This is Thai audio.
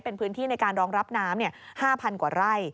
เป็นพื้นที่ในการรองรับน้ำ๕๐๐กว่าไร่